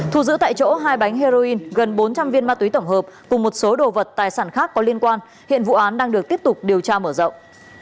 thu giữ tại chỗ hai bánh heroin gần bốn trăm linh viên ma túy tổng hợp cùng một số đồ vật tài sản khác có liên quan hiện vụ án đang được tiếp tục điều tra mở rộng